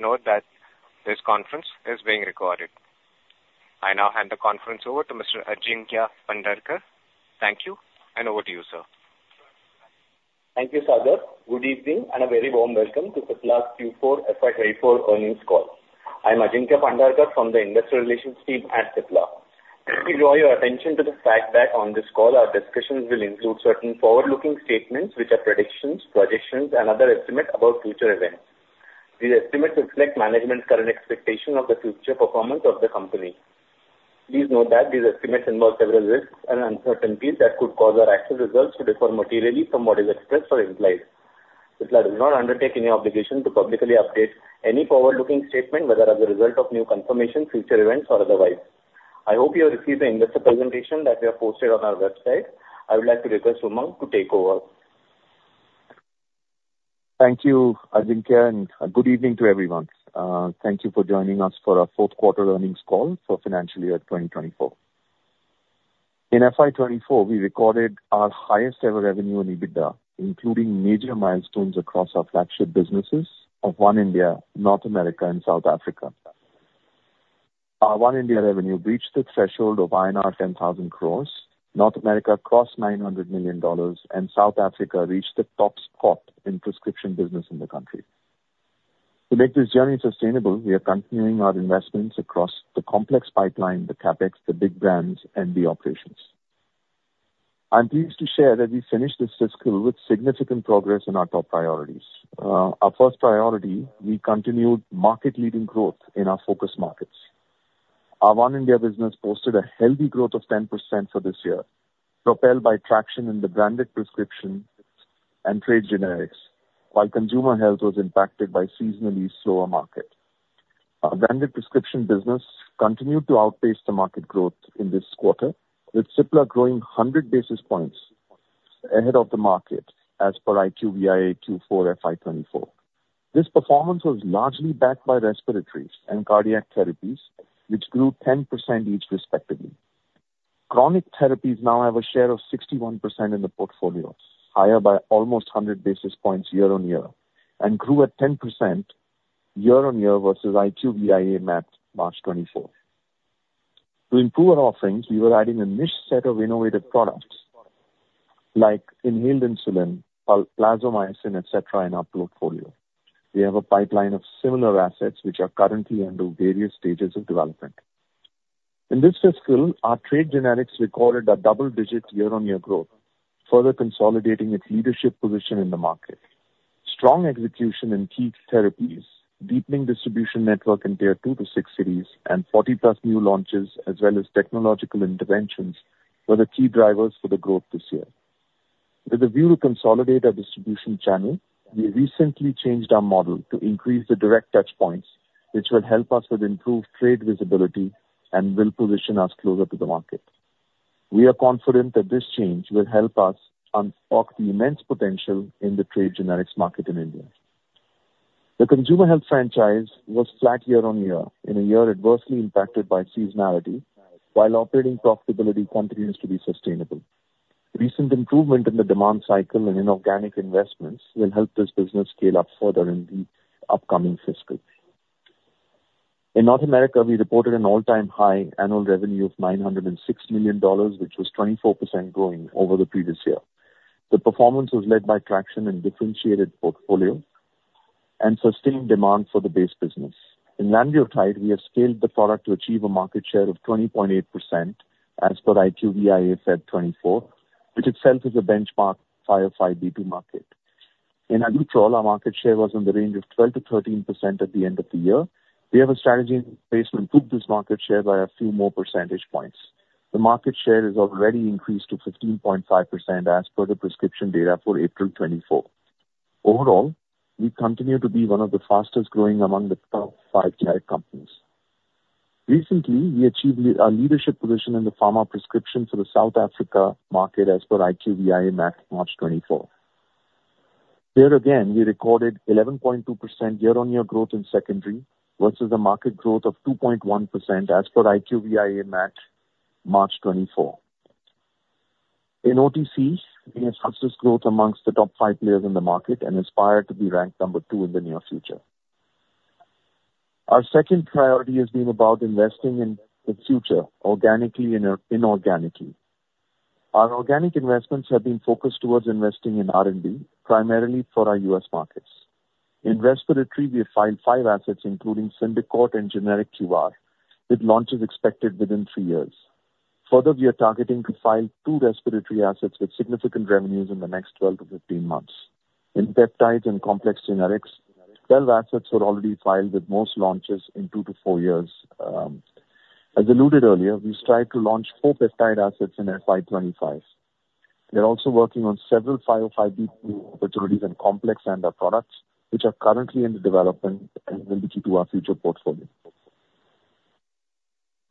Please note that this conference is being recorded. I now hand the conference over to Mr. Ajinkya Pandharkar. Thank you, and over to you, sir. Thank you, Sagar. Good evening, and a very warm welcome to Cipla's Q4 FY24 earnings call. I'm Ajinkya Pandharkar from the investor relations team at Cipla. Let me draw your attention to the fact that on this call, our discussions will include certain forward-looking statements, which are predictions, projections, and other estimates about future events. These estimates reflect management's current expectation of the future performance of the company. Please note that these estimates involve several risks and uncertainties that could cause our actual results to differ materially from what is expressed or implied. Cipla does not undertake any obligation to publicly update any forward-looking statement, whether as a result of new confirmation, future events, or otherwise. I hope you have received the investor presentation that we have posted on our website. I would like to request Umang to take over. Thank you, Ajinkya, and good evening to everyone. Thank you for joining us for our fourth quarter earnings call for financial year 2024. In FY 2024, we recorded our highest ever revenue and EBITDA, including major milestones across our flagship businesses of One India, North America, and South Africa. Our One India revenue reached its threshold of INR 10,000 crore, North America crossed $900 million, and South Africa reached the top spot in prescription business in the country. To make this journey sustainable, we are continuing our investments across the complex pipeline, the CapEx, the big brands, and the operations. I'm pleased to share that we finished this fiscal with significant progress in our top priorities. Our first priority, we continued market-leading growth in our focus markets. Our One India business posted a healthy growth of 10% for this year, propelled by traction in the branded prescription and trade generics, while consumer health was impacted by seasonally slower market. Our branded prescription business continued to outpace the market growth in this quarter, with Cipla growing 100 basis points ahead of the market as per IQVIA Q4 FY 2024. This performance was largely backed by respiratories and cardiac therapies, which grew 10% each respectively. Chronic therapies now have a share of 61% in the portfolio, higher by almost 100 basis points year-on-year, and grew at 10% year-on-year versus IQVIA mapped March 2024. To improve our offerings, we were adding a niche set of innovative products like inhaled insulin, plazomicin, et cetera, in our portfolio. We have a pipeline of similar assets, which are currently under various stages of development. In this fiscal, our trade generics recorded a double-digit year-over-year growth, further consolidating its leadership position in the market. Strong execution in key therapies, deepening distribution network in tier 2-6 cities, and 40-plus new launches, as well as technological interventions, were the key drivers for the growth this year. With a view to consolidate our distribution channel, we recently changed our model to increase the direct touchpoints, which will help us with improved trade visibility and will position us closer to the market. We are confident that this change will help us unlock the immense potential in the trade generics market in India. The consumer health franchise was flat year-over-year in a year adversely impacted by seasonality, while operating profitability continues to be sustainable. Recent improvement in the demand cycle and in organic investments will help this business scale up further in the upcoming fiscal. In North America, we reported an all-time high annual revenue of $906 million, which was 24% growing over the previous year. The performance was led by traction in differentiated portfolio and sustained demand for the base business. In lanreotide, we have scaled the product to achieve a market share of 20.8%, as per IQVIA Feb 2024, which itself is a benchmark 505(b)(2) market. In albuterol, our market share was in the range of 12%-13% at the end of the year. We have a strategy in place to improve this market share by a few more percentage points. The market share has already increased to 15.5% as per the prescription data for April 2024. Overall, we continue to be one of the fastest growing among the top five TI companies. Recently, we achieved a leadership position in the pharma prescription for the South Africa market as per IQVIA March 2024. Here again, we recorded 11.2% year-on-year growth in secondary versus a market growth of 2.1% as per IQVIA March 2024. In OTCs, we have fastest growth amongst the top five players in the market and aspire to be ranked number two in the near future. Our second priority has been about investing in the future organically and inorganically. Our organic investments have been focused towards investing in R&D, primarily for our U.S. markets. In respiratory, we have filed five assets, including Symbicort and generic Qvar, with launches expected within three years. Further, we are targeting to file two respiratory assets with significant revenues in the next 12-15 months. In peptides and complex generics, 12 assets were already filed with most launches in 2-4 years. As alluded earlier, we strive to launch 4 peptide assets in FY 25. We are also working on several 505(b)(2) opportunities in complex and our products, which are currently in the development and will lead to our future portfolio.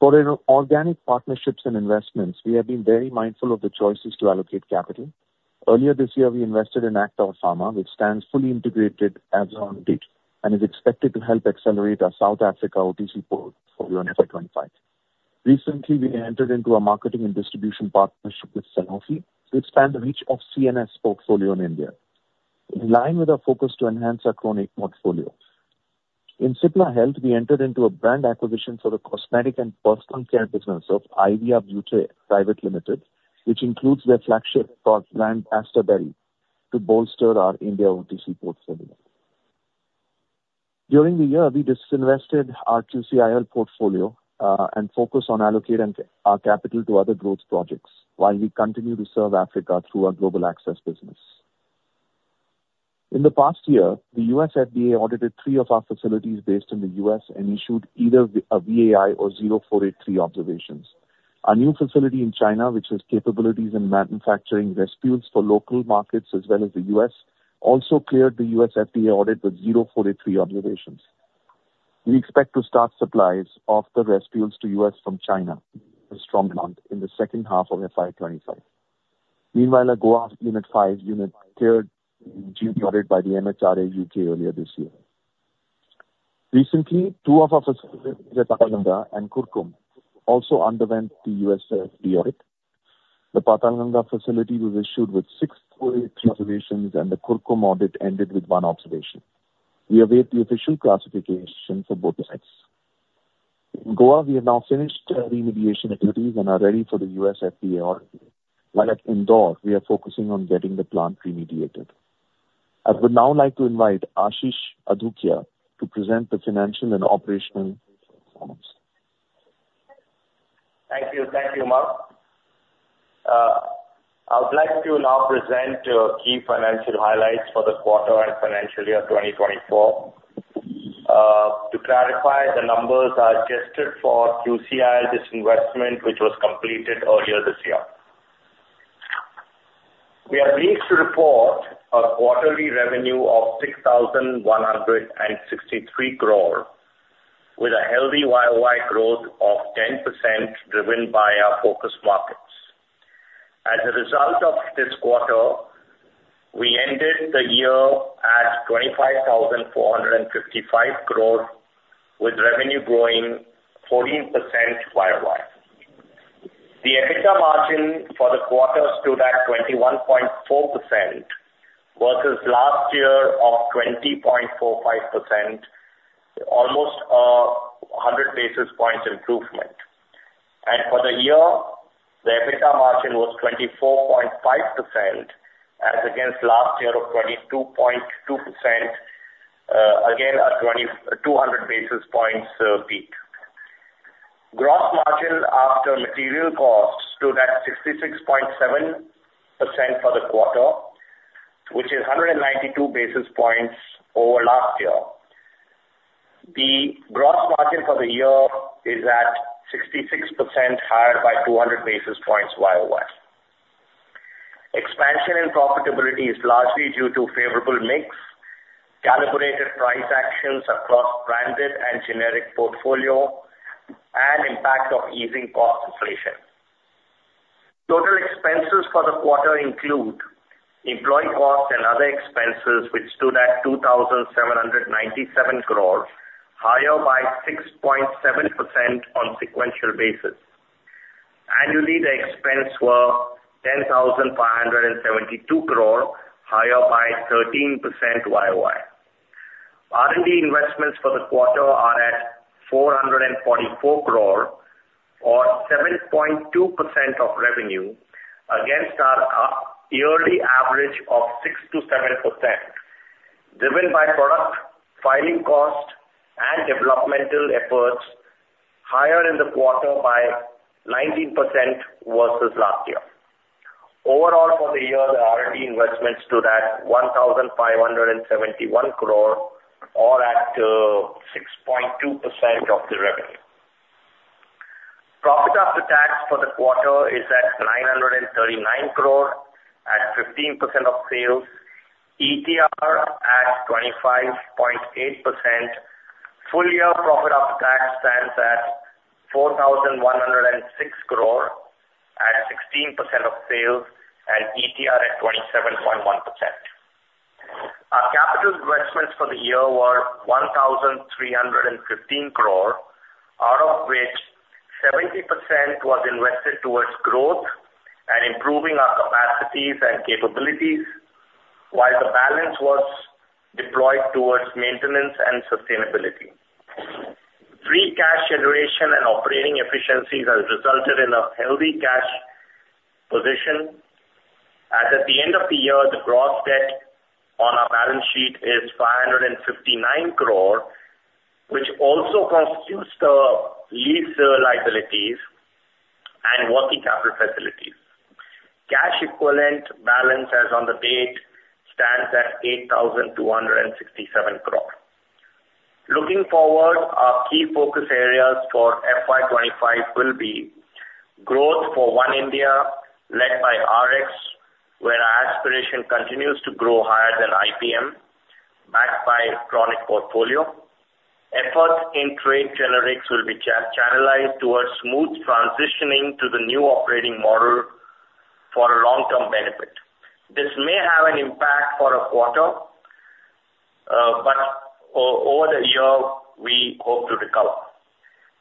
For inorganic partnerships and investments, we have been very mindful of the choices to allocate capital. Earlier this year, we invested in Actor Pharma, which stands fully integrated as of date and is expected to help accelerate our South Africa OTC portfolio for FY 25. Recently, we entered into a marketing and distribution partnership with Sanofi to expand the reach of CNS portfolio in India, in line with our focus to enhance our chronic portfolio. In Cipla Health, we entered into a brand acquisition for the cosmetic and personal care business of Ivia Beaute Private Limited, which includes their flagship brand, Astaberry, to bolster our India OTC portfolio. During the year, we disinvested our QCI portfolio and focused on allocating our capital to other growth projects while we continue to serve Africa through our global access business. In the past year, the US FDA audited three of our facilities based in the US and issued either a VAI or 483 observations. Our new facility in China, which has capabilities in manufacturing Respules for local markets as well as the US, also cleared the US FDA audit with 483 observations. We expect to start supplies of the Respules to US from China a strong amount in the second half of FY 25. Meanwhile, our Goa Unit 5 unit cleared audit by the MHRA, UK, earlier this year. Recently, two of our facilities, the Patalganga and Kurkumbh, also underwent the US FDA audit. The Patalganga facility was issued with six 483 observations, and the Kurkumbh audit ended with one observation. We await the official classification for both sites. In Goa, we have now finished the remediation activities and are ready for the US FDA audit. While at Indore, we are focusing on getting the plant remediated. I would now like to invite Ashish Adukia to present the financial and operational performance. Thank you. Thank you, Umang. I would like to now present key financial highlights for the quarter and financial year 2024. To clarify, the numbers are adjusted for QCI disinvestment, which was completed earlier this year. We are pleased to report a quarterly revenue of 6,163 crore, with a healthy YOY growth of 10%, driven by our focus markets. As a result of this quarter, we ended the year at 25,455 crore, with revenue growing 14% YOY. The EBITDA margin for the quarter stood at 21.4% versus last year of 20.45%, almost one hundred basis points improvement. For the year, the EBITDA margin was 24.5% as against last year of 22.2%, again, a 230 basis points beat. Gross margin after material costs stood at 66.7% for the quarter, which is 192 basis points over last year. The gross margin for the year is at 66%, higher by 200 basis points YOY. Expansion and profitability is largely due to favorable mix, calibrated price actions across branded and generic portfolio, and impact of easing cost inflation. Total expenses for the quarter include employee costs and other expenses, which stood at 2,797 crore, higher by 6.7% on sequential basis. Annually, the expenses were 10,572 crore, higher by 13% YOY. R&D investments for the quarter are at 444 crore or 7.2% of revenue against our yearly average of 6%-7%, driven by product filing costs and developmental efforts, higher in the quarter by 19% versus last year. Overall, for the year, the R&D investments stood at 1,571 crore, or at 6.2% of the revenue. Profit after tax for the quarter is at 939 crore, at 15% of sales, ETR at 25.8%. Full year profit after tax stands at 4,106 crore, at 16% of sales and ETR at 27.1%. Our capital investments for the year were 1,315 crore, out of which 70% was invested towards growth and improving our capacities and capabilities, while the balance was deployed towards maintenance and sustainability. Free cash generation and operating efficiencies has resulted in a healthy cash position. As at the end of the year, the gross debt on our balance sheet is 559 crore, which also constitutes the lease liabilities and working capital facilities. Cash equivalent balance as on the date stands at 8,267 crore. Looking forward, our key focus areas for FY 2025 will be growth for one India led by RX, where our aspiration continues to grow higher than IPM, backed by chronic portfolio. Efforts in trade generics will be channelized towards smooth transitioning to the new operating model for long-term benefit. This may have an impact for a quarter, but over the year, we hope to recover.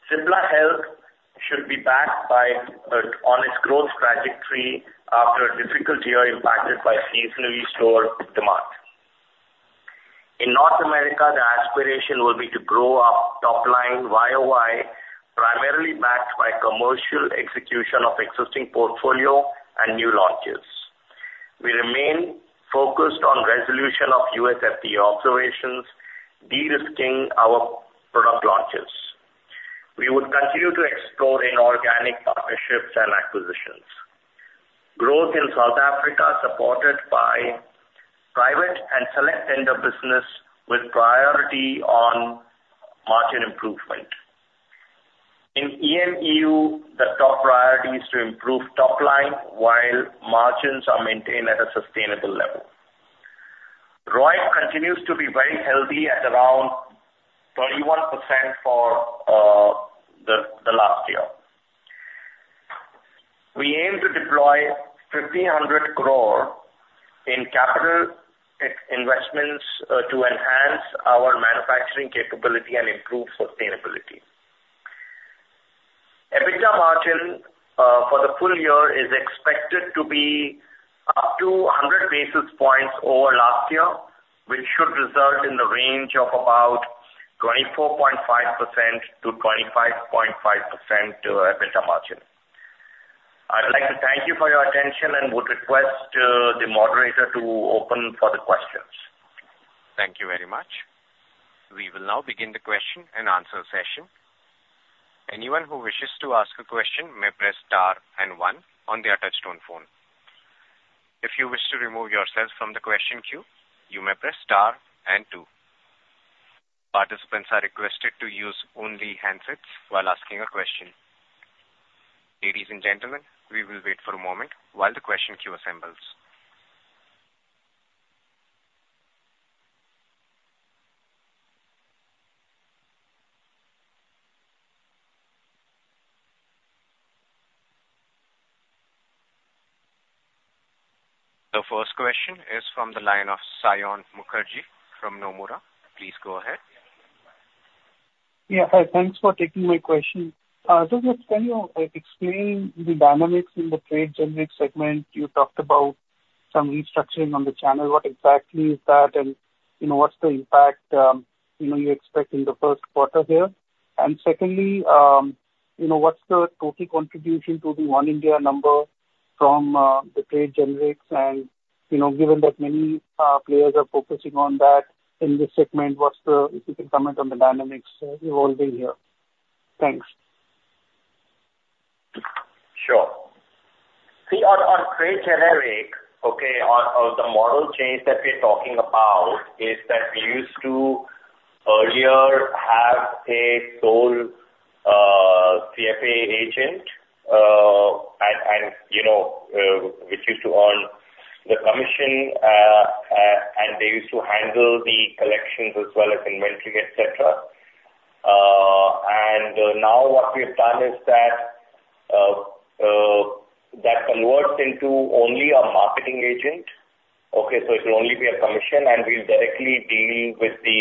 Cipla Health should be back on its growth trajectory after a difficult year impacted by seasonally soft demand. In North America, the aspiration will be to grow our top line YOY, primarily backed by commercial execution of existing portfolio and new launches. We remain focused on resolution of US FDA observations, de-risking our product launches. We would continue to explore inorganic partnerships and acquisitions. Growth in South Africa, supported by private and select tender business with priority on margin improvement. In EMEU, the top priority is to improve top line, while margins are maintained at a sustainable level. ROIC continues to be very healthy at around 31% for the last year. We aim to deploy 1,500 crore in capex investments to enhance our manufacturing capability and improve sustainability. EBITDA margin for the full year is expected to be up to 100 basis points over last year, which should result in the range of about 24.5%-25.5% EBITDA margin. I'd like to thank you for your attention and would request the moderator to open for the questions. Thank you very much. We will now begin the question and answer session. Anyone who wishes to ask a question may press star and one on their touchtone phone. If you wish to remove yourself from the question queue, you may press star and two. Participants are requested to use only handsets while asking a question. Ladies and gentlemen, we will wait for a moment while the question queue assembles. The first question is from the line of Saion Mukherjee from Nomura. Please go ahead. Yeah. Hi, thanks for taking my question. Just can you explain the dynamics in the trade generic segment? You talked about some restructuring on the channel. What exactly is that, and, you know, what's the impact, you know, you expect in the first quarter there? And secondly, you know, what's the total contribution to the One India number from the trade generics? And, you know, given that many players are focusing on that in this segment, what's the... If you can comment on the dynamics evolving here? Thanks. Sure. See, on trade generic, okay, on the model change that we're talking about is that we used to earlier have a sole CFA agent, and, you know, which used to earn the commission, and they used to handle the collections as well as inventory, et cetera. And now what we have done is that that converts into only a marketing agent, okay? So it will only be a commission, and we'll directly deal with the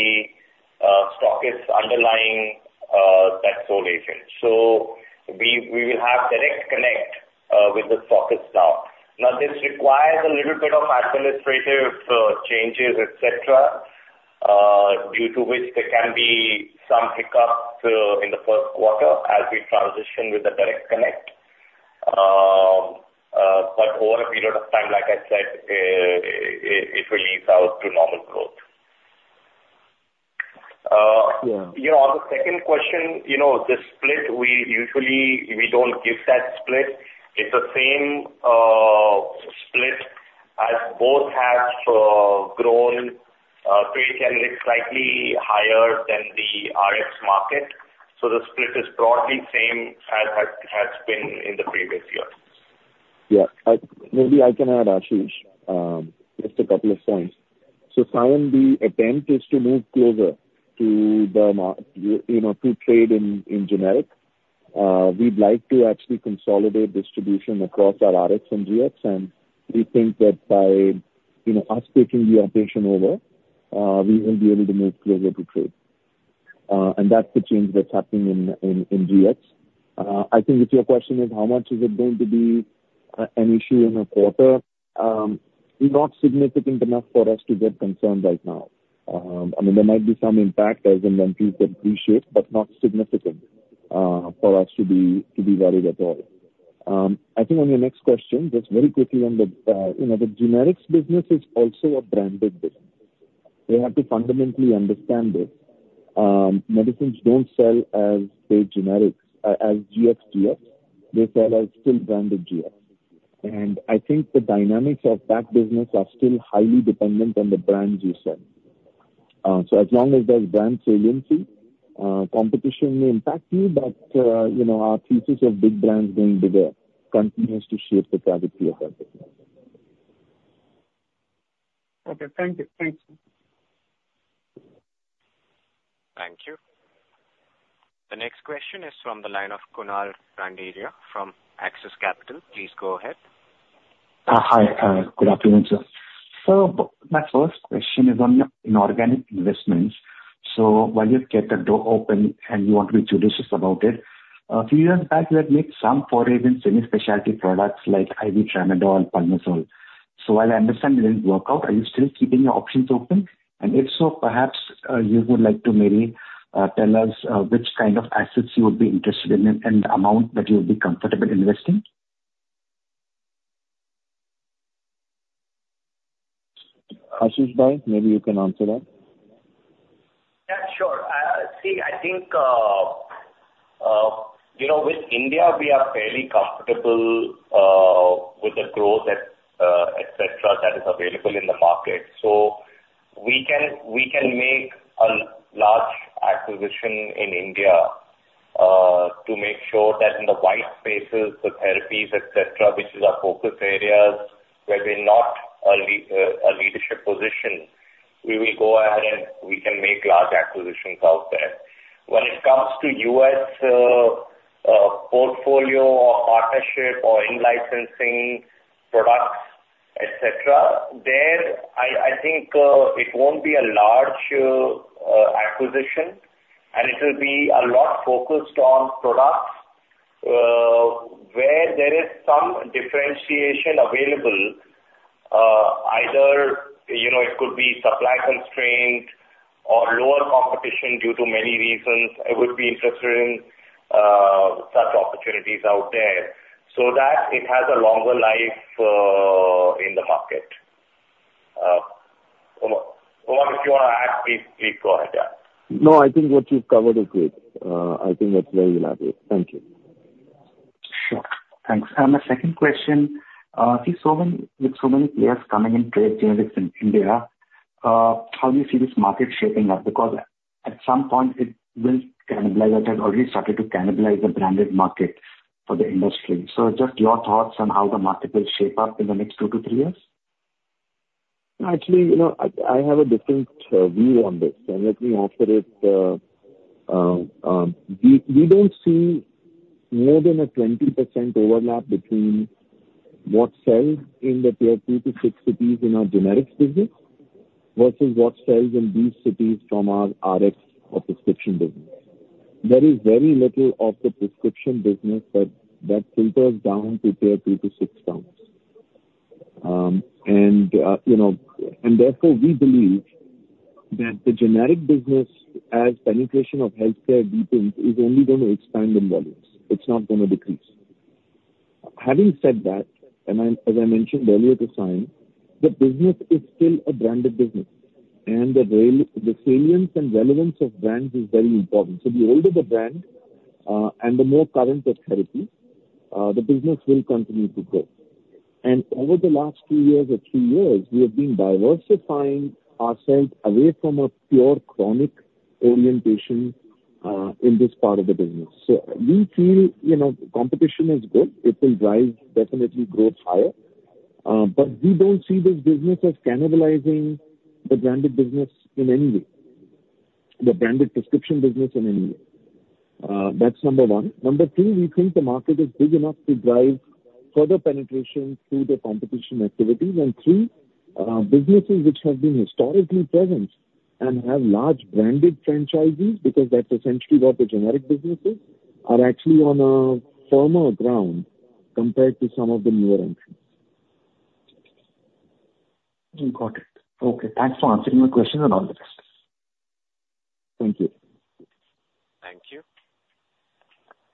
stockists underlying that sole agent. So we will have direct connect with the stockists now. Now, this requires a little bit of administrative changes, et cetera, due to which there can be some hiccups in the first quarter as we transition with the direct connect. But over a period of time, like I said, it will ease out to normal growth. Uh, yeah. You know, on the second question, you know, the split, we usually, we don't give that split. It's the same split as both halves grown, trade generic slightly higher than the RX market. So the split is broadly same as has been in the previous years. Yeah. Maybe I can add, Ashish, just a couple of points. So, Saion, the attempt is to move closer to the you know, to trade in generic. We'd like to actually consolidate distribution across our RX and GX, and we think that by, you know, us taking the operation over, we will be able to move closer to trade. And that's the change that's happening in GX. I think if your question is, how much is it going to be an issue in a quarter? Not significant enough for us to get concerned right now. I mean, there might be some impact as inventories get reshaped, but not significant for us to be worried at all. I think on your next question, just very quickly on the, you know, the generics business is also a branded business. We have to fundamentally understand this. Medicines don't sell as the generics, as GX, GX. They sell as still branded GX. And I think the dynamics of that business are still highly dependent on the brands you sell. So as long as there's brand saliency, competition may impact you, but, you know, our thesis of big brands going bigger continues to shape the trajectory of that business. Okay. Thank you. Thanks.... The next question is from the line of Kunal Randeria from Axis Capital. Please go ahead. Hi, good afternoon, sir. So my first question is on your inorganic investments. So while you've kept the door open and you want to be judicious about it, a few years back, you had made some forays in semi-specialty products like IV Tramadol, Pulmazole. So while I understand it didn't work out, are you still keeping your options open? And if so, perhaps you would like to maybe tell us which kind of assets you would be interested in and the amount that you would be comfortable investing? Ashish bhai, maybe you can answer that. Yeah, sure. See, I think, you know, with India, we are fairly comfortable with the growth et cetera, that is available in the market. So we can, we can make a large acquisition in India to make sure that in the white spaces, the therapies, et cetera, which is our focus areas, where we're not a leadership position, we will go ahead and we can make large acquisitions out there. When it comes to U.S., portfolio or partnership or in-licensing products, et cetera, there, I think, it won't be a large acquisition, and it will be a lot focused on products where there is some differentiation available, either, you know, it could be supply constraint or lower competition due to many reasons. I would be interested in such opportunities out there so that it has a longer life in the market. Kunal, Kunal, if you want to add, please, please go ahead, yeah. No, I think what you've covered is great. I think that's very elaborate. Thank you. Sure. Thanks. And my second question, see, with so many players coming in trade generics in India, how do you see this market shaping up? Because at some point it will cannibalize, it has already started to cannibalize the branded market for the industry. So just your thoughts on how the market will shape up in the next 2 to 3 years. Actually, you know, I have a different view on this, and let me answer it. We don't see more than a 20% overlap between what sells in the Tier 2 to 6 cities in our generics business versus what sells in these cities from our RX or prescription business. There is very little of the prescription business that filters down to Tier 3 to 6 towns. You know, and therefore, we believe that the generic business, as penetration of healthcare deepens, is only going to expand in volumes. It's not going to decrease. Having said that, and I, as I mentioned earlier to Simon, the business is still a branded business, and the real, the salience and relevance of brands is very important. So the older the brand, and the more current the therapy, the business will continue to grow. And over the last two years or three years, we have been diversifying ourselves away from a pure chronic orientation, in this part of the business. So we feel, you know, competition is good. It will drive, definitely growth higher, but we don't see this business as cannibalizing the branded business in any way, the branded prescription business in any way. That's number one. Number 2, we think the market is big enough to drive further penetration through the competition activities. And 3, businesses which have been historically present and have large branded franchises, because that's essentially what the generic business is, are actually on a firmer ground compared to some of the newer entries. We got it. Okay, thanks for answering my question and all the best. Thank you. Thank you.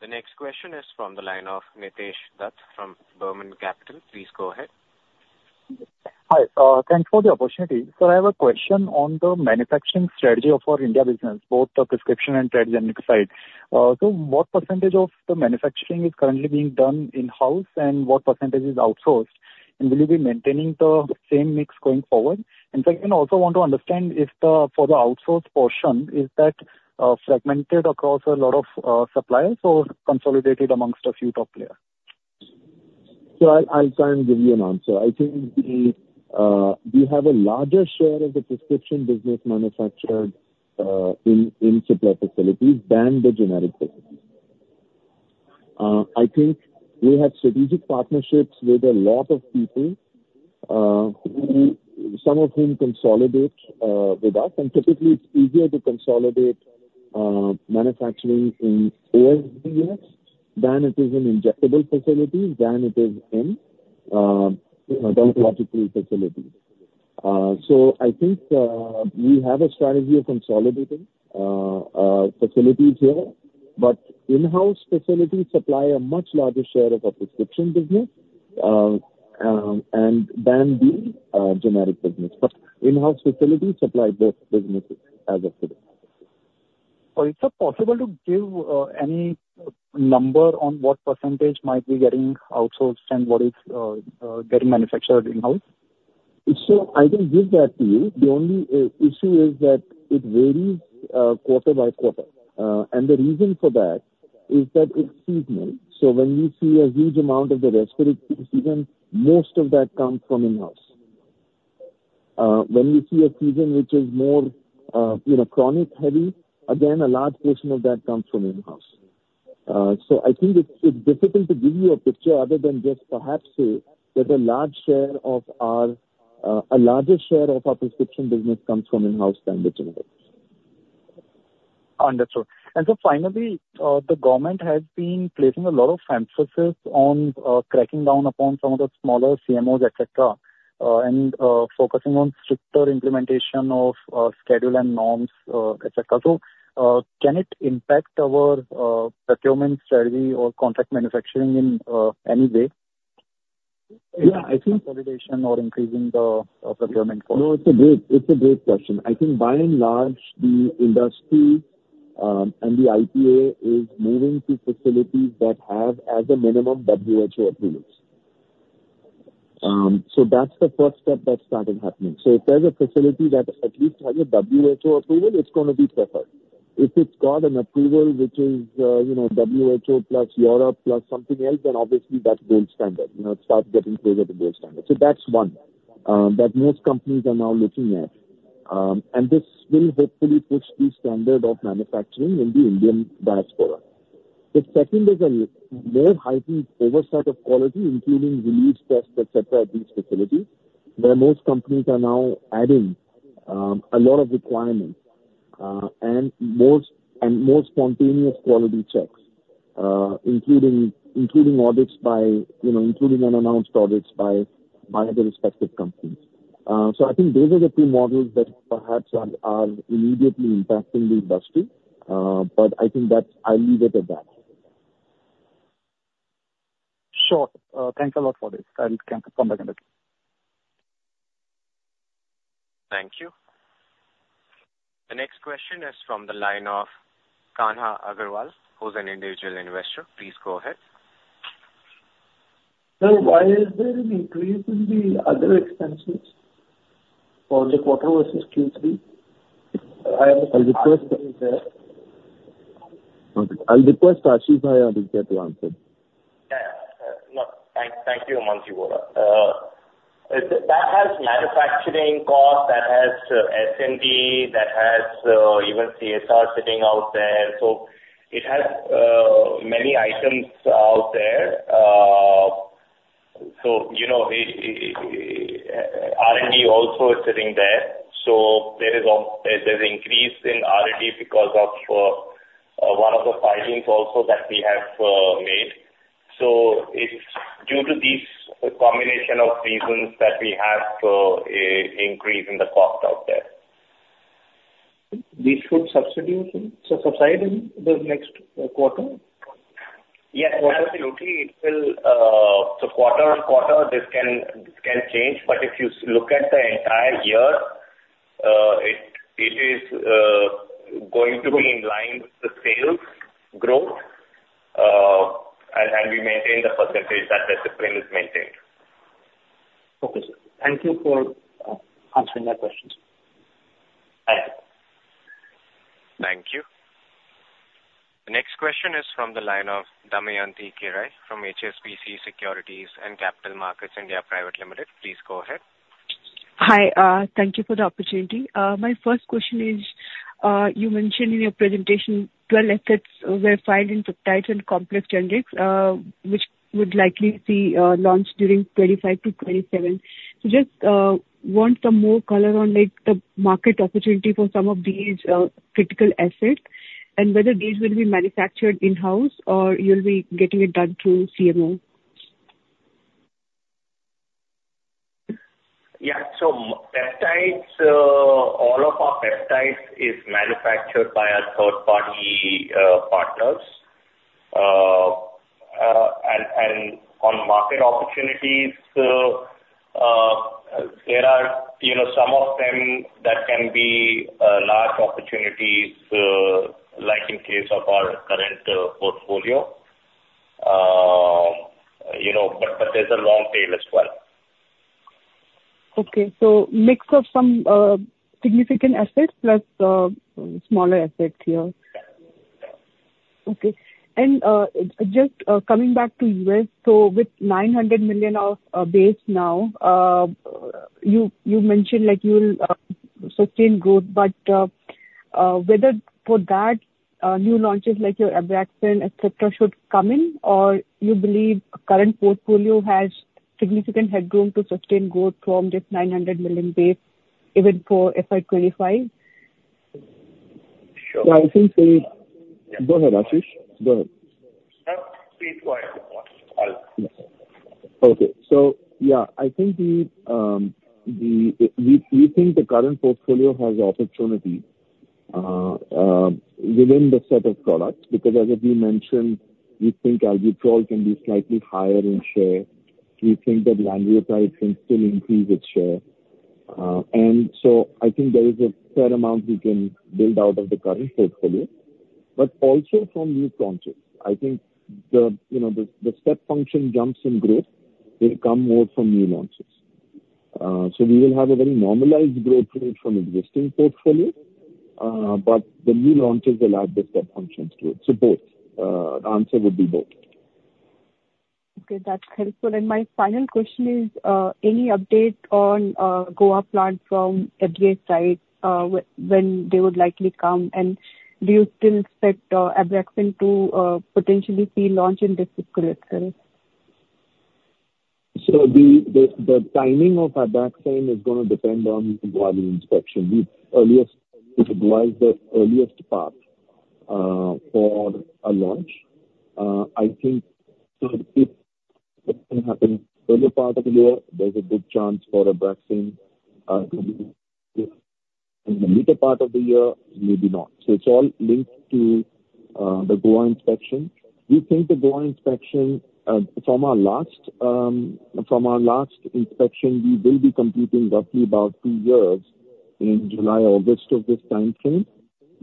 The next question is from the line of Nitesh Dutt from Burman Capital. Please go ahead. Hi, thanks for the opportunity. So I have a question on the manufacturing strategy of our India business, both the prescription and trade generic side. So what percentage of the manufacturing is currently being done in-house, and what percentage is outsourced? And will you be maintaining the same mix going forward? And second, I also want to understand if the, for the outsourced portion, is that, fragmented across a lot of, suppliers or consolidated amongst a few top players? So I'll try and give you an answer. I think we have a larger share of the prescription business manufactured in Cipla facilities than the generic business. I think we have strategic partnerships with a lot of people who some of whom consolidate with us, and typically it's easier to consolidate manufacturing in OSDs than it is in injectable facilities, than it is in dermatological facilities. So I think we have a strategy of consolidating facilities here, but in-house facilities supply a much larger share of our prescription business and than the generic business. But in-house facilities supply both businesses as of today. Is it possible to give any number on what percentage might be getting outsourced and what is getting manufactured in-house? So I can give that to you. The only issue is that it varies quarter by quarter. And the reason for that is that it's seasonal. So when we see a huge amount of the respiratory season, most of that comes from in-house. When we see a season which is more, you know, chronic, heavy, again, a large portion of that comes from in-house. So I think it's difficult to give you a picture other than just perhaps say that a large share of our, a larger share of our prescription business comes from in-house than the generics. Understood. And so finally, the government has been placing a lot of emphasis on cracking down upon some of the smaller CMOs, et cetera, and focusing on stricter implementation of Schedule M norms, et cetera. So, can it impact our procurement strategy or contract manufacturing in any way? Yeah, I think- Consolidation or increasing the procurement cost. No, it's a great, it's a great question. I think by and large, the industry, and the IPA is moving to facilities that have, as a minimum, WHO approvals. So that's the first step that's started happening. So if there's a facility that at least has a WHO approval, it's gonna be preferred. If it's got an approval which is, you know, WHO, plus Europe, plus something else, then obviously that's gold standard. You know, it starts getting closer to gold standard. So that's one, that most companies are now looking at. And this will hopefully push the standard of manufacturing in the Indian diaspora. The second is a more heightened oversight of quality, including release tests, et cetera, at these facilities, where most companies are now adding a lot of requirements, and more spontaneous quality checks, including audits by, you know, including unannounced audits by the respective companies. So I think these are the two models that perhaps are immediately impacting the industry, but I think that I'll leave it at that. Sure. Thanks a lot for this. I'll come back in touch. Thank you. The next question is from the line of Kanha Agarwal, who's an individual investor. Please go ahead. Sir, why is there an increase in the other expenses for the quarter versus Q3? I'll request Ashish or Aditya to answer. Yeah. No, thank you, Umang Vohra. That has manufacturing cost, that has S&P, that has even CSR sitting out there. So it has many items out there. So, you know, R&D also is sitting there, so there's increase in R&D because of one of the filings also that we have made. So it's due to these combination of reasons that we have a increase in the cost out there. This should substitute, so subside in the next quarter? Yes, absolutely. It will, so quarter-over-quarter, this can change, but if you look at the entire year, it is going to be in line with the sales growth, and we maintain the percentage that discipline is maintained. Okay, sir. Thank you for answering my questions. Thank you. Thank you. The next question is from the line of Damayanti Kerai from HSBC Securities and Capital Markets India Private Limited. Please go ahead. Hi, thank you for the opportunity. My first question is, you mentioned in your presentation 12 assets were filed in peptides and complex generics, which would likely see launch during 2025-2027. So just want some more color on, like, the market opportunity for some of these critical assets, and whether these will be manufactured in-house or you'll be getting it done through CMO? Yeah. So peptides, all of our peptides is manufactured by our third-party partners. And on market opportunities, there are, you know, some of them that can be large opportunities, like in case of our current portfolio. You know, but there's a long tail as well. Okay. So mix of some significant assets plus smaller assets here. Okay. And just coming back to U.S., so with $900 million base now, you mentioned like you'll sustain growth, but whether for that new launches like your Abraxane, et cetera, should come in, or you believe current portfolio has significant headroom to sustain growth from this $900 million base, even for FY 2025? Sure. I think the... Go ahead, Ashish. Go ahead. Please go ahead. Okay. So, yeah, I think we think the current portfolio has opportunity within the set of products, because as we mentioned, we think Albuterol can be slightly higher in share. We think that lanreotide can still increase its share. And so I think there is a fair amount we can build out of the current portfolio, but also from new launches. I think you know the step function jumps in growth will come more from new launches. So we will have a very normalized growth rate from existing portfolio, but the new launches will add the step functions to it. So both, the answer would be both.... Okay, that's helpful. And my final question is, any update on Goa plant from FDA side, when they would likely come, and do you still expect Abraxane to potentially see launch in this fiscal year? So the timing of Abraxane is gonna depend on the Goa inspection. We earliest, Goa is the earliest path for a launch. I think, so if it can happen early part of the year, there's a good chance for Abraxane to be in the later part of the year, maybe not. So it's all linked to the Goa inspection. We think the Goa inspection, from our last, from our last inspection, we will be completing roughly about two years in July, August of this time frame.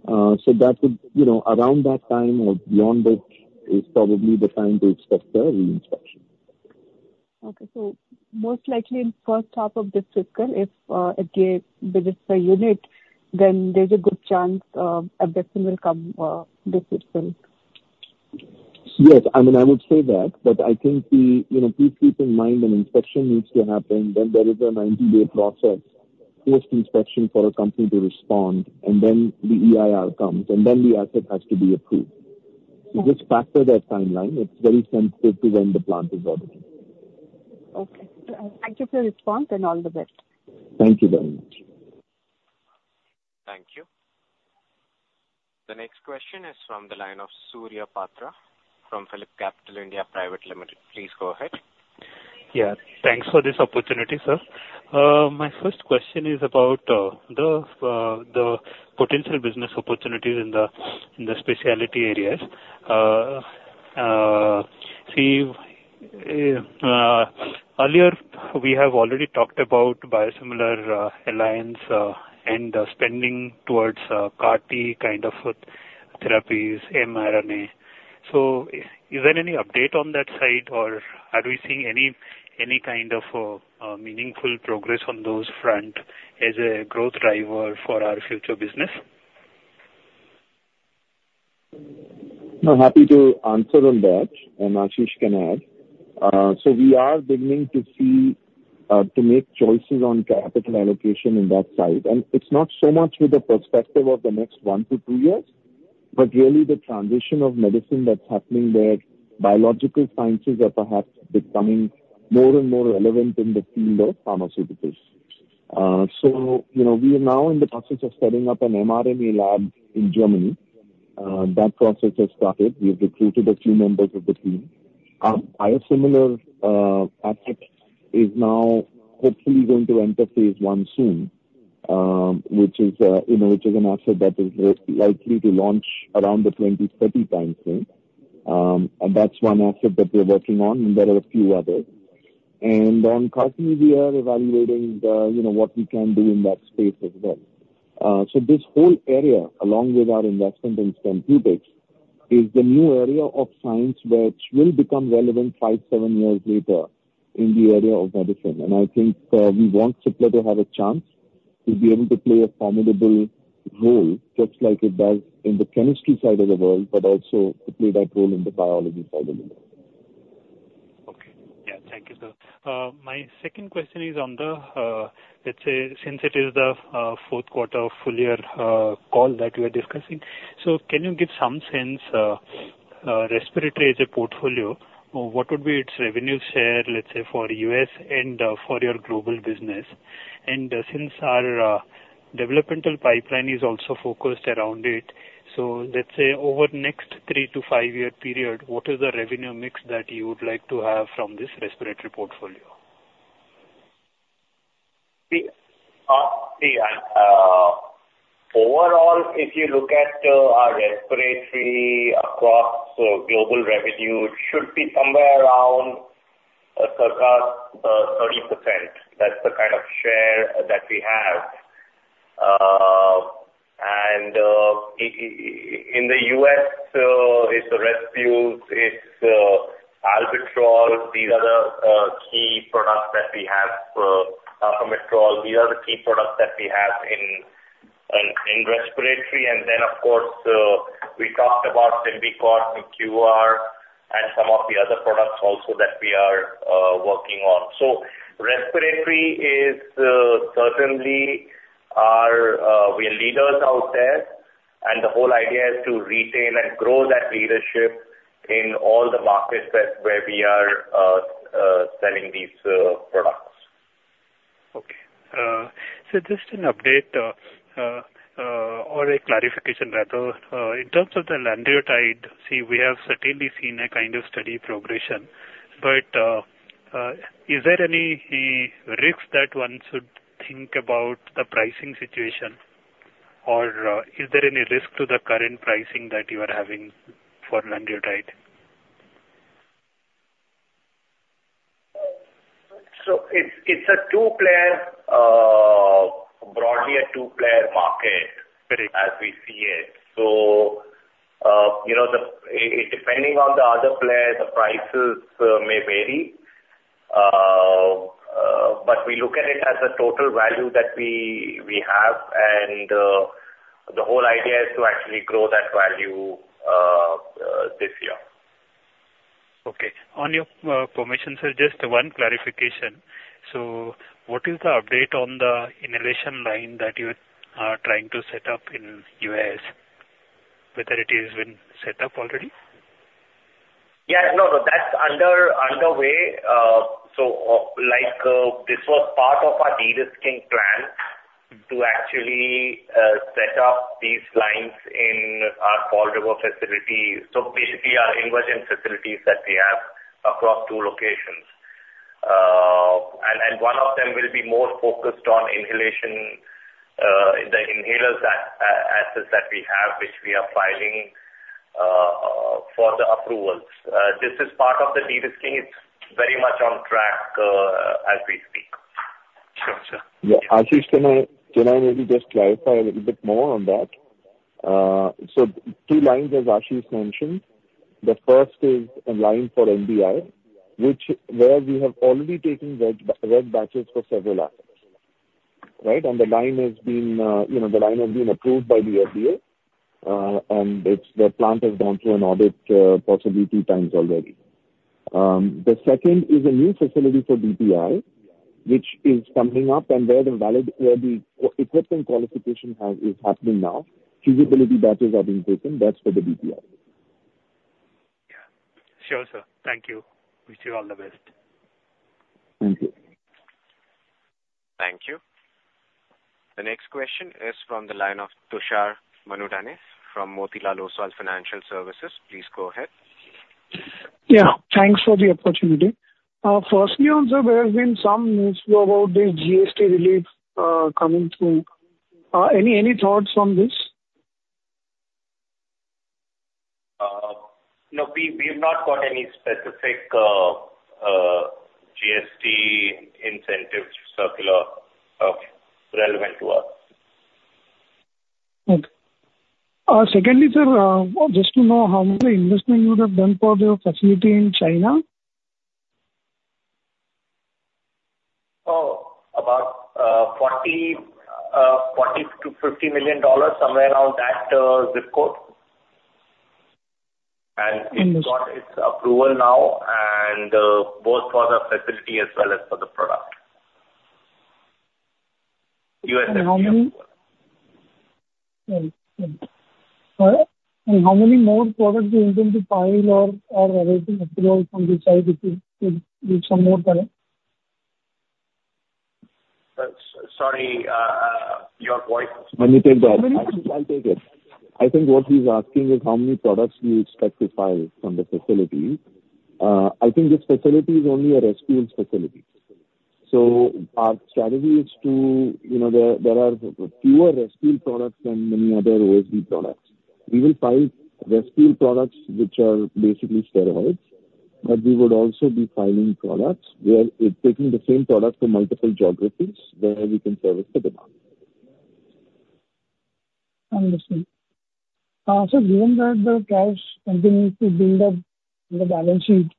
So that would, you know, around that time or beyond it, is probably the time to expect the reinspection. Okay. So most likely in first half of this fiscal, if again they visit the unit, then there's a good chance Abraxane will come this fiscal. Yes, I mean, I would say that, but I think we, you know, please keep in mind an inspection needs to happen, then there is a 90-day process, post-inspection for a company to respond, and then the EIR comes, and then the asset has to be approved. Right. Just factor that timeline. It's very sensitive to when the plant is ready. Okay. Thank you for your response, and all the best. Thank you very much. Thank you. The next question is from the line of Surya Patra from PhillipCapital India Private Limited. Please go ahead. Yeah. Thanks for this opportunity, sir. My first question is about the potential business opportunities in the specialty areas. See, earlier, we have already talked about biosimilar alliance and spending towards CAR-T kind of therapies, mRNA. So is there any update on that side, or are we seeing any kind of meaningful progress on those front as a growth driver for our future business? I'm happy to answer on that, and Ashish can add. So we are beginning to see to make choices on capital allocation in that side. And it's not so much with the perspective of the next one to two years, but really the transition of medicine that's happening there, biological sciences are perhaps becoming more and more relevant in the field of pharmaceuticals. So, you know, we are now in the process of setting up an mRNA lab in Germany. That process has started. We've recruited a few members of the team. Biosimilar asset is now hopefully going to enter phase one soon, which is, you know, which is an asset that is most likely to launch around the 2030 timeframe. And that's one asset that we're working on, and there are a few others. On CAR-T, we are evaluating the, you know, what we can do in that space as well. So this whole area, along with our investment in Stempeutics, is the new area of science which will become relevant 5, 7 years later in the area of medicine. I think, we want Cipla to have a chance to be able to play a formidable role, just like it does in the chemistry side of the world, but also to play that role in the biology side of the world. Okay. Yeah. Thank you, sir. My second question is on the, let's say, since it is the fourth quarter full year call that we are discussing, so can you give some sense, respiratory as a portfolio, what would be its revenue share, let's say, for US and for your global business? And since our developmental pipeline is also focused around it, so let's say over the next 3-5-year period, what is the revenue mix that you would like to have from this respiratory portfolio? The overall, if you look at our respiratory across global revenue, it should be somewhere around circa 30%. That's the kind of share that we have. And in the US, it's the Respules, it's Albuterol, these are the key products that we have, Salbutamol. These are the key products that we have in respiratory. And then, of course, we talked about Symbicort and Qvar and some of the other products also that we are working on. So respiratory is certainly our... We are leaders out there, and the whole idea is to retain and grow that leadership in all the markets where we are selling these products. Okay. So just an update, or a clarification, rather. In terms of the Lanreotide, see, we have certainly seen a kind of steady progression, but, is there any risk that one should think about the pricing situation, or, is there any risk to the current pricing that you are having for Lanreotide? So it's a two-player, broadly a two-player market. Right. As we see it. So, you know, depending on the other player, the prices may vary. But we look at it as a total value that we, we have, and the whole idea is to actually grow that value this year. Okay. On your permission, sir, just one clarification. So what is the update on the inhalation line that you are trying to set up in U.S., whether it has been set up already? Yeah, no, no, that's under way. So, like, this was part of our de-risking plan to actually set up these lines in our Indian facility. So basically, our Indian facilities that we have across two locations. And one of them will be more focused on inhalation, the inhalers assets that we have, which we are filing for the approvals. This is part of the de-risking. It's very much on track, as we speak. Sure, sir. Yeah. Ashish, can I, can I maybe just clarify a little bit more on that? So two lines as Ashish mentioned. The first is a line for MDI, where we have already taken red batches for several items, right? And the line has been, you know, the line has been approved by the FDA, and it's... The plant has gone through an audit, possibly two times already. The second is a new facility for DPI, which is coming up and where the equipment qualification is happening now. Feasibility batches are being taken. That's for the DPI. Yeah. Sure, sir. Thank you. Wish you all the best. Thank you. Thank you. The next question is from the line of Tushar Manudhane from Motilal Oswal Financial Services. Please go ahead. Yeah, thanks for the opportunity. Firstly, also, there has been some news about the GST relief coming through. Any thoughts on this? No, we've not got any specific GST incentive circular relevant to us. Okay. Secondly, sir, just to know how much investment you would have done for the facility in China? Oh, about $40 million-$50 million, somewhere around that zip code. And it's- I understand. Got its approval now, and, both for the facility as well as for the product. US- Sorry. How many more products do you intend to file or awaiting approval from this side, if you give some more color? Sorry, your voice? Let me take that. How many- I'll take it. I think what he's asking is how many products we expect to file from the facility. I think this facility is only a Respule facility. So our strategy is to, you know, there are fewer Respule products than many other OSD products. We will file Respule products, which are basically steroids, but we would also be filing products where we're taking the same product to multiple geographies where we can service the demand. I understand. So given that the cash continues to build up the balance sheet,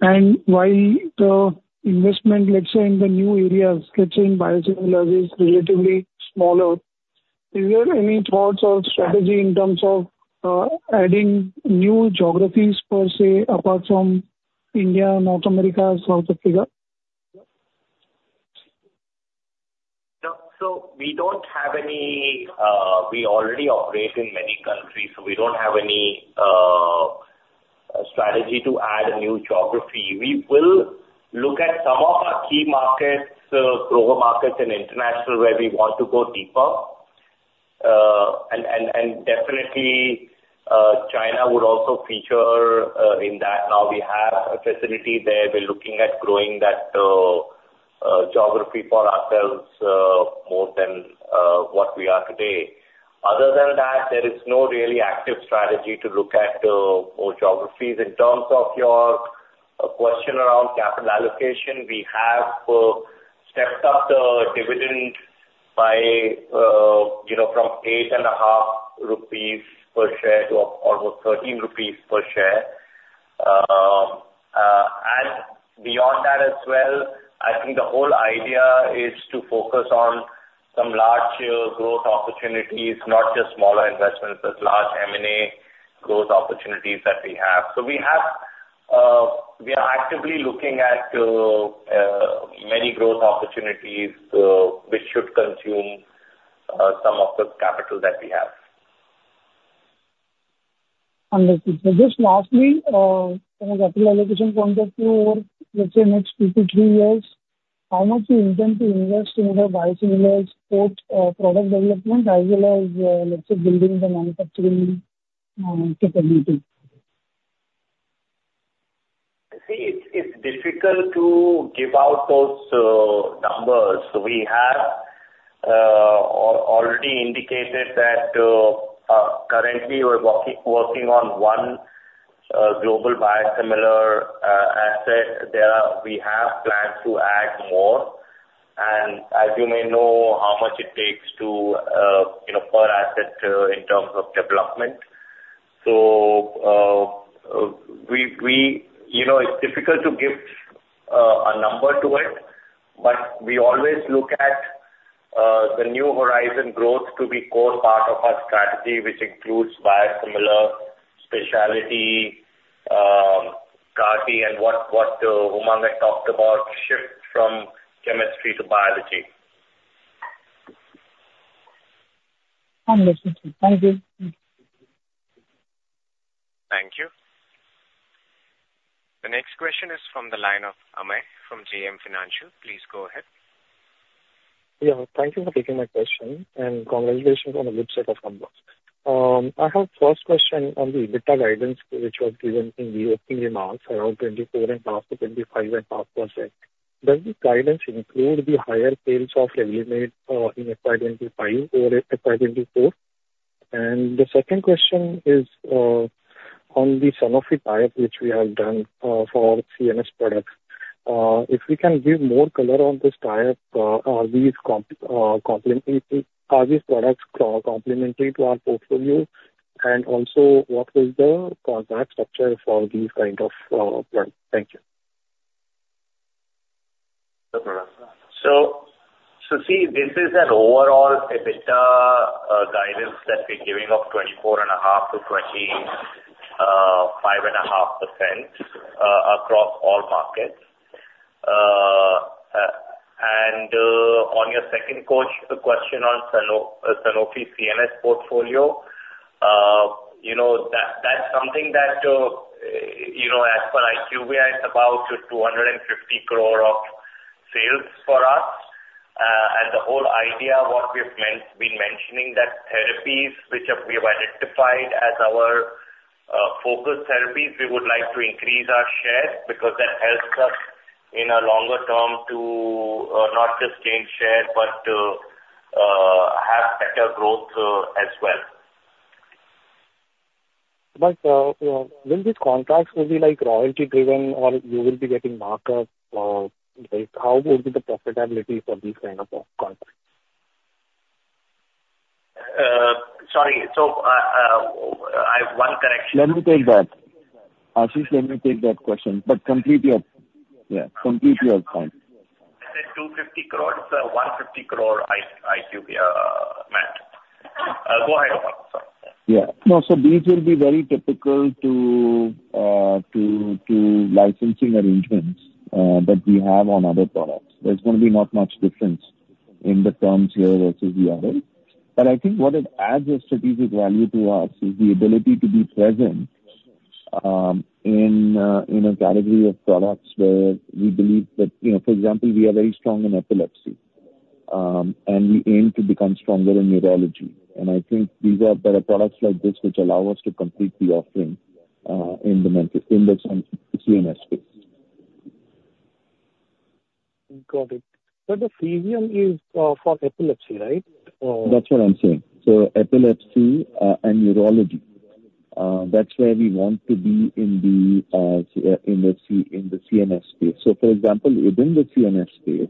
and while the investment, let's say, in the new areas, such as biosimilars is relatively smaller, is there any thoughts or strategy in terms of adding new geographies per se, apart from India, North America, South Africa? No, so we don't have any. We already operate in many countries, so we don't have any strategy to add a new geography. We will look at some of our key markets, global markets and international, where we want to go deeper. And, and, and definitely, China would also feature in that. Now, we have a facility there. We're looking at growing that geography for ourselves more than what we are today. Other than that, there is no really active strategy to look at more geographies. In terms of your question around capital allocation, we have stepped up the dividend by, you know, from 8.5 rupees per share to almost 13 rupees per share. Beyond that as well, I think the whole idea is to focus on some large growth opportunities, not just smaller investments, but large M&A growth opportunities that we have. We have, we are actively looking at many growth opportunities, which should consume some of the capital that we have. Understood. So just lastly, from a capital allocation point of view, over, let's say, next 2-3 years, how much do you intend to invest in your biosimilars portfolio, product development, as well as, let's say, building the manufacturing capability? See, it's difficult to give out those numbers. We have already indicated that currently we're working on one global biosimilar asset. We have plans to add more. And as you may know, how much it takes to, you know, per asset in terms of development. So we—you know, it's difficult to give a number to it, but we always look at the new horizon growth to be core part of our strategy, which includes biosimilar, specialty, CAR-T, and what Umang had talked about, shift from chemistry to biology. Understood, sir. Thank you. Thank you. The next question is from the line of Amey from JM Financial. Please go ahead. Yeah, thank you for taking my question, and congratulations on a good set of numbers. I have first question on the EBITDA guidance, which was given in the opening remarks, around 24.5%-25.5%. Does the guidance include the higher sales of Revlimid in FY 2025 over FY 2024? And the second question is on the Sanofi tie-up, which we have done for CNS products. If we can give more color on this tie-up, are these products complementary to our portfolio? And also, what is the contract structure for these kind of products? Thank you. So, so see, this is an overall EBITDA guidance that we're giving of 24.5%-25.5% across all markets. And, on your second question on Sanofi CNS portfolio, you know, that's something that, you know, as per IQVIA, it's about 250 crore of sales for us. And the whole idea, what we've been mentioning, that therapies which we have identified as our focus therapies, we would like to increase our share because that helps us in a longer term to not just gain share, but have better growth as well. Will these contracts will be like royalty driven or you will be getting markup or, like, how would be the profitability for these kind of contracts? Sorry. So, I have one correction. Let me take that. Ashish, let me take that question, but complete your... Yeah, complete your point. I said 250 crores, 150 crore IQVIA math. Go ahead, Umang, sorry. Yeah. No, so these will be very typical to licensing arrangements that we have on other products. There's going to be not much difference in the terms here versus the other. But I think what it adds a strategic value to us is the ability to be present in a category of products where we believe that... You know, for example, we are very strong in epilepsy, and we aim to become stronger in neurology. And I think there are products like this which allow us to complete the offering in the CNS space. Got it. But the Frisium is for epilepsy, right? That's what I'm saying. So epilepsy, and neurology, that's where we want to be in the CNS space. So for example, within the CNS space,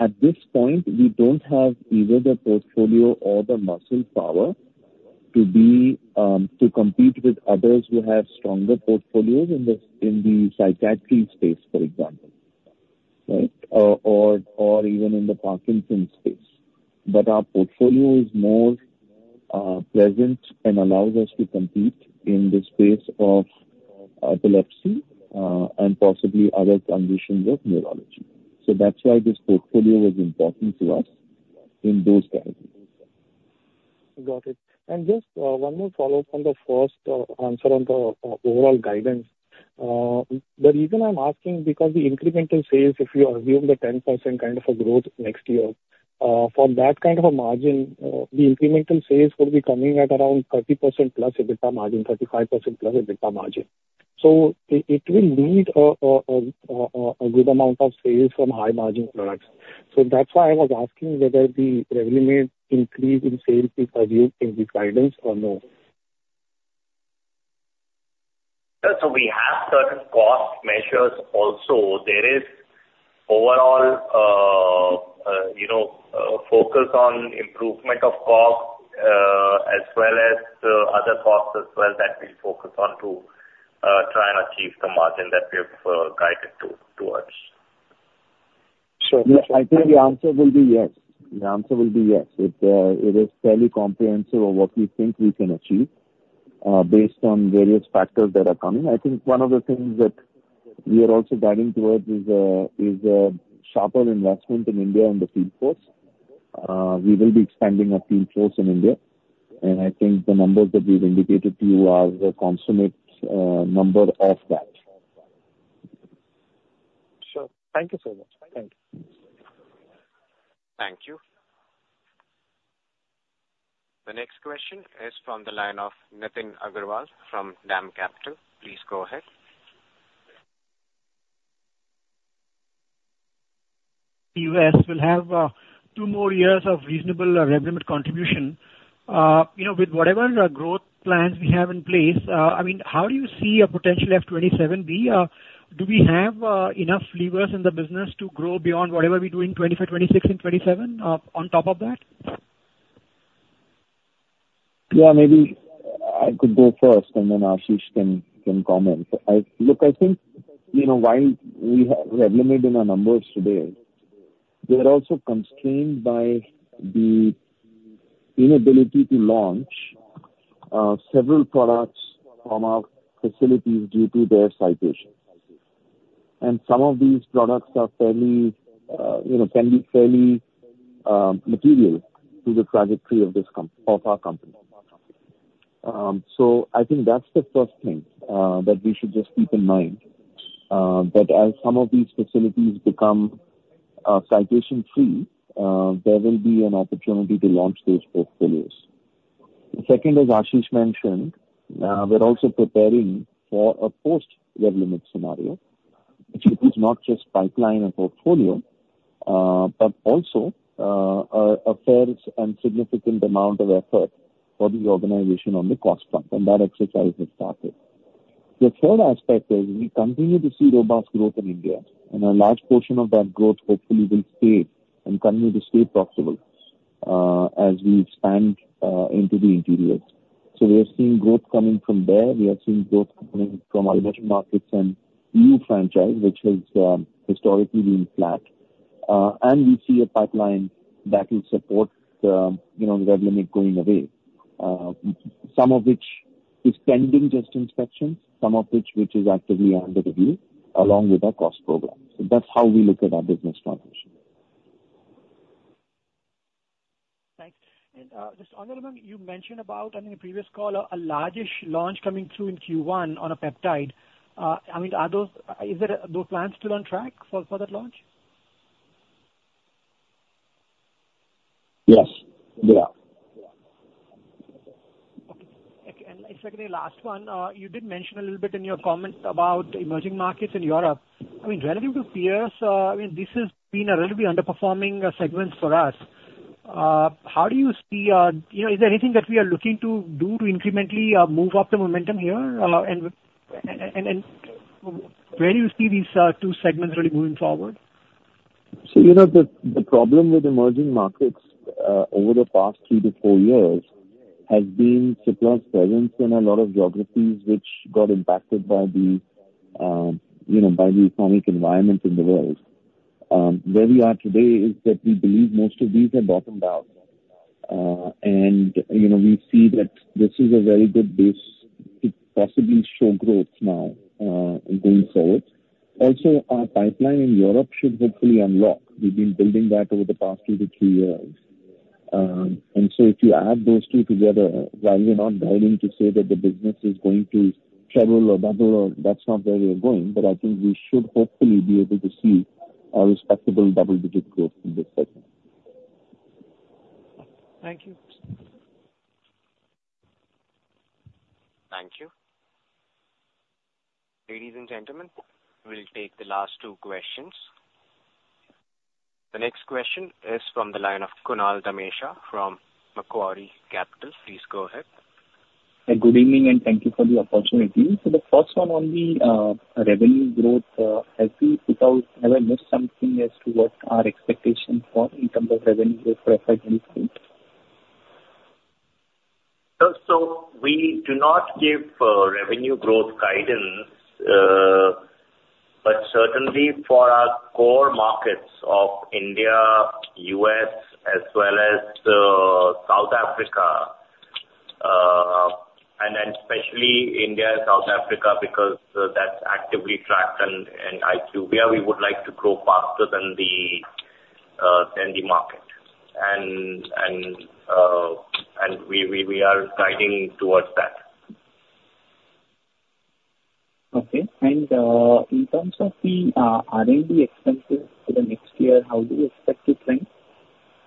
at this point, we don't have either the portfolio or the muscle power to be, to compete with others who have stronger portfolios in the psychiatry space, for example, right? Or even in the Parkinson's space. But our portfolio is more present and allows us to compete in the space of epilepsy, and possibly other conditions of neurology. So that's why this portfolio was important to us in those categories. Got it. Just one more follow-up on the first answer on the overall guidance. The reason I'm asking, because the incremental sales, if you assume the 10% kind of a growth next year, from that kind of a margin, the incremental sales will be coming at around 30%+ EBITDA margin, 35%+ EBITDA margin. So it will need a good amount of sales from high-margin products. So that's why I was asking whether the Revlimid increase in sales be presumed in the guidance or no? So we have certain cost measures also. There is overall, you know, focus on improvement of cost, as well as other costs as well, that we focus on to try and achieve the margin that we have guided to, towards. Sure. I think the answer will be yes. The answer will be yes. It, it is fairly comprehensive of what we think we can achieve, based on various factors that are coming. I think one of the things that we are also guiding towards is, is, sharper investment in India and the field force. We will be expanding our field force in India, and I think the numbers that we've indicated to you are the consummate, number of that. Sure. Thank you so much. Thank you. Thank you. The next question is from the line of Nitin Agarwal from Dam Capital. Please go ahead. ... the U.S. will have two more years of reasonable Revlimid contribution. You know, with whatever growth plans we have in place, I mean, how do you see a potential FY 2027 EBITDA? Do we have enough levers in the business to grow beyond whatever we do in 2025, 2026, and 2027, on top of that? ...Yeah, maybe I could go first, and then Ashish can comment. Look, I think, you know, while we have limited in our numbers today, we are also constrained by the inability to launch several products from our facilities due to their citation. And some of these products are fairly, you know, can be fairly material to the trajectory of this of our company. So I think that's the first thing that we should just keep in mind that as some of these facilities become citation-free, there will be an opportunity to launch those portfolios. The second, as Ashish mentioned, we're also preparing for a post Revlimid scenario, which is not just pipeline and portfolio, but also a fair and significant amount of effort for the organization on the cost front, and that exercise has started. The third aspect is we continue to see robust growth in India, and a large portion of that growth hopefully will stay and continue to stay profitable, as we expand into the interiors. So we are seeing growth coming from there. We are seeing growth coming from our emerging markets and new franchise, which has historically been flat. And we see a pipeline that will support the, you know, the Revlimid going away, some of which is pending just inspections, some of which is actively under review, along with our cost program. That's how we look at our business proposition. Thanks. And just an analyst, you mentioned about, I think in the previous call, a large-ish launch coming through in Q1 on a peptide. I mean, are those plans still on track for that launch? Yes, they are. Okay. And secondly, last one. You did mention a little bit in your comment about emerging markets in Europe. I mean, relative to peers, I mean, this has been a relatively underperforming segment for us. How do you see... You know, is there anything that we are looking to do to incrementally move up the momentum here? And where do you see these two segments really moving forward? So, you know, the problem with emerging markets over the past three to four years has been surplus presence in a lot of geographies which got impacted by the, you know, by the economic environment in the world. Where we are today is that we believe most of these have bottomed out. And, you know, we see that this is a very good base to possibly show growth now, going forward. Also, our pipeline in Europe should hopefully unlock. We've been building that over the past two to three years. And so if you add those two together, while we are not guiding to say that the business is going to treble or double or... That's not where we are going, but I think we should hopefully be able to see a respectable double-digit growth in this segment. Thank you. Thank you. Ladies and gentlemen, we'll take the last two questions. The next question is from the line of Kunal Dhamesha from Macquarie Capital. Please go ahead. Good evening, and thank you for the opportunity. So the first one on the revenue growth, have we put out, have I missed something as to what are expectations for in terms of revenue growth for financial point? So we do not give revenue growth guidance, but certainly for our core markets of India, U.S., as well as South Africa, and then especially India and South Africa, because that's actively tracked and we are guiding towards that. Okay. And, in terms of the, R&D expenses for the next year, how do you expect to trend?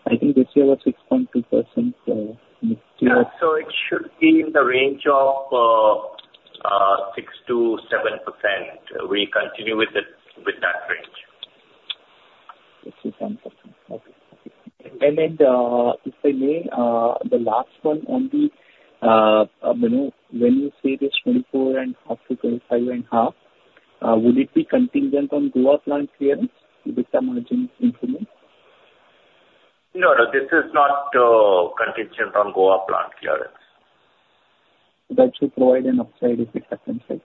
I think this year was 6.2%, next year- Yeah, so it should be in the range of 6%-7%. We continue with that range. 6%-7%. Okay. And then, if I may, the last one on the, you know, when you say this 24.5-25.5, will it be contingent on Goa plant clearance with some margins improvement? No, no, this is not contingent on Goa plant clearance. That should provide an upside if it happens, right?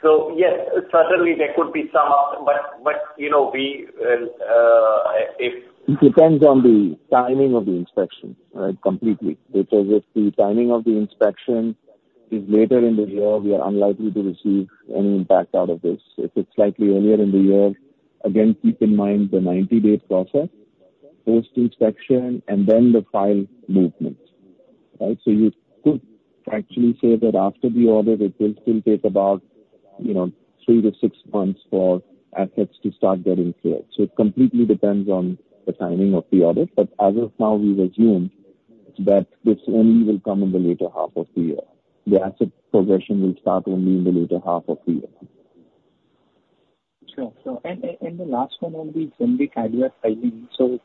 So yes, certainly there could be some up, but, but, you know, we, if- It depends on the timing of the inspection, right? Completely. Because if the timing of the inspection is later in the year, we are unlikely to receive any impact out of this. If it's slightly earlier in the year, again, keep in mind the 90-day process, post inspection and then the file movement. Right? So you could actually say that after the audit, it will still take about, you know, 3-6 months for assets to start getting cleared. So it completely depends on the timing of the audit, but as of now, we assume that this only will come in the later half of the year. The asset progression will start only in the later half of the year. Sure. So, the last one on the generic filing. So,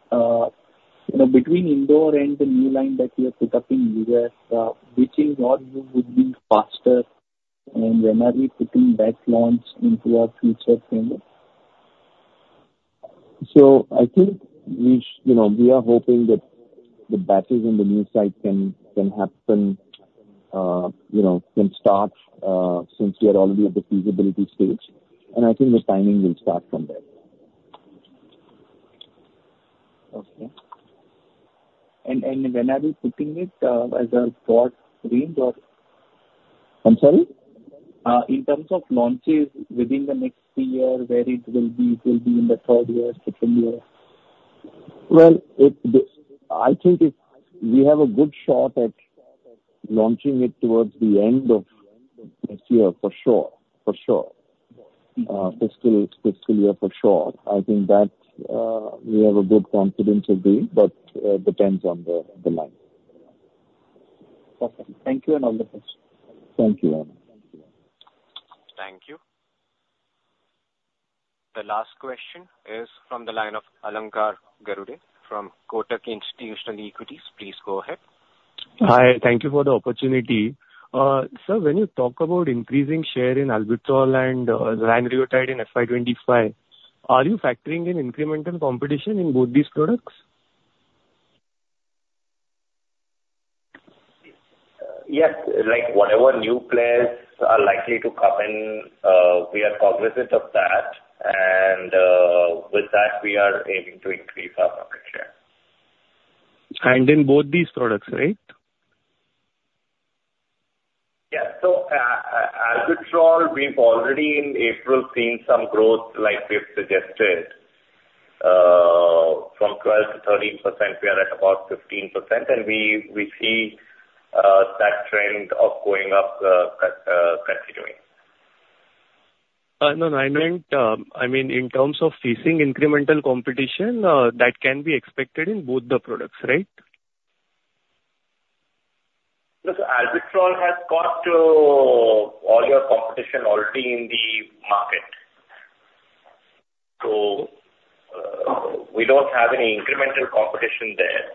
you know, between Indore and the new line that you have put up in U.S., which in your view would be faster?... And when are we putting that launch into our future frame? So I think you know, we are hoping that the batches on the new site can happen, you know, can start, since we are already at the feasibility stage, and I think the timing will start from there. Okay. And when are we putting it as a broad range of- I'm sorry? In terms of launches within the next year, where it will be, it will be in the third year, second year? Well, I think we have a good shot at launching it towards the end of this year, for sure, for sure. Fiscal year, for sure. I think that we have a good confidence of doing, but depends on the line. Okay. Thank you, and all the best. Thank you. Thank you. The last question is from the line of Alankar Garude from Kotak Institutional Equities. Please go ahead. Hi, thank you for the opportunity. Sir, when you talk about increasing share in Albuterol and Lanreotide in FY 25, are you factoring in incremental competition in both these products? Yes. Like, whatever new players are likely to come in, we are cognizant of that, and, with that, we are aiming to increase our market share. In both these products, right? Yeah. So Albuterol, we've already in April seen some growth like we've suggested. From 12%-13%, we are at about 15%, and we see that trend of going up continuing. No, I meant, I mean in terms of facing incremental competition, that can be expected in both the products, right? Yes, albuterol has got all your competition already in the market. So, we don't have any incremental competition there.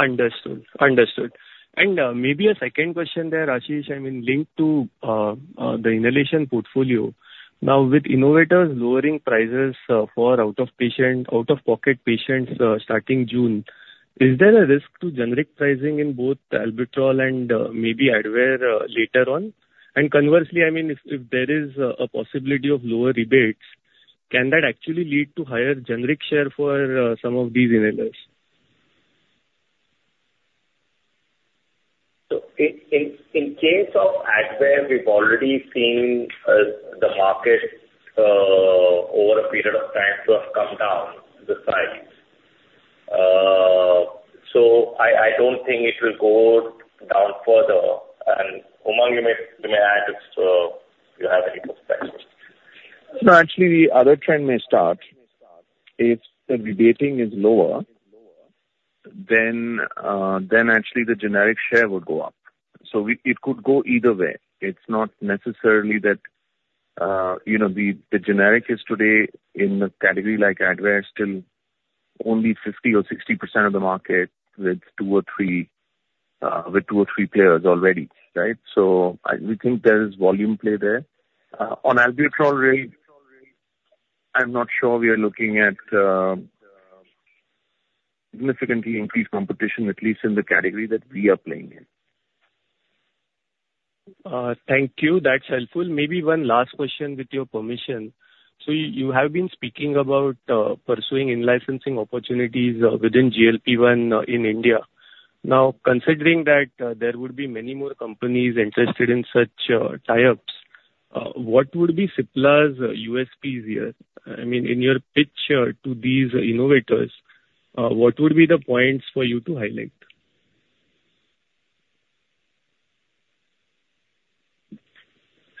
Understood. Understood. And, maybe a second question there, Ashish, I mean, linked to the inhalation portfolio. Now, with innovators lowering prices for out-of-pocket patients starting June, is there a risk to generic pricing in both Albuterol and maybe Advair later on? And conversely, I mean, if there is a possibility of lower rebates, can that actually lead to higher generic share for some of these inhalers? So in case of Advair, we've already seen the market over a period of time to have come down the price. So I don't think it will go down further. And Uma, you may add if you have any perspective. No, actually, the other trend may start. If the rebating is lower, then actually the generic share would go up. So we... It could go either way. It's not necessarily that, you know, the generic is today in a category like Advair, still only 50% or 60% of the market with two or three players already, right? So I, we think there is volume play there. On Albuterol, really, I'm not sure we are looking at significantly increased competition, at least in the category that we are playing in. Thank you. That's helpful. Maybe one last question, with your permission. So you have been speaking about pursuing in-licensing opportunities within GLP-1 in India. Now, considering that, there would be many more companies interested in such tie-ups, what would be Cipla's USPs here? I mean, in your pitch to these innovators, what would be the points for you to highlight?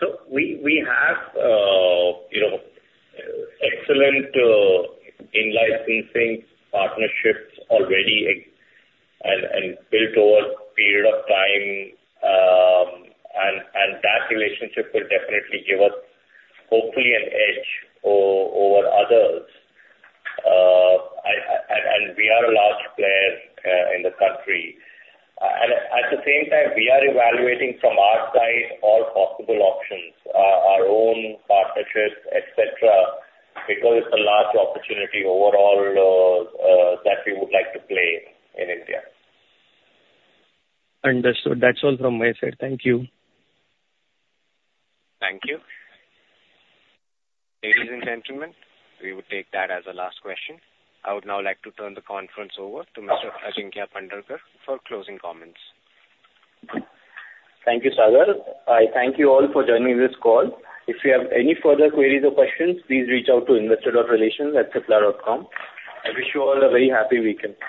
So we have you know excellent in-licensing partnerships already established and built over a period of time, and that relationship will definitely give us hopefully an edge over others. And we are a large player in the country. And at the same time, we are evaluating from our side all possible options, our own partnerships, et cetera, because it's a large opportunity overall that we would like to play in India. Understood. That's all from my side. Thank you. Thank you. Ladies and gentlemen, we would take that as a last question. I would now like to turn the conference over to Mr. Ajinkya Pandharkar for closing comments. Thank you, Sagar. I thank you all for joining this call. If you have any further queries or questions, please reach out to investorrelations@cipla.com. I wish you all a very happy weekend.